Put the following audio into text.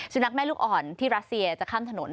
แม่ลูกอ่อนที่รัสเซียจะข้ามถนน